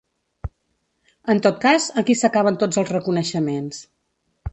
En tot cas, aquí s'acaben tots els reconeixements.